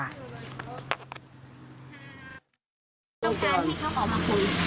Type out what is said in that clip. ต้องการให้เขาออกมาคุย